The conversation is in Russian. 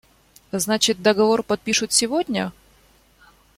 Значит, договор подпишут сегодня?